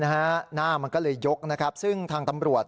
หน้ามันก็เลยยกนะครับซึ่งทางตำรวจ